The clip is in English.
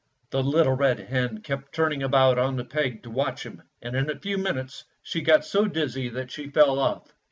The little red hen kept turning about on the peg to watch him, and in a few minutes she got so dizzy that she fell off.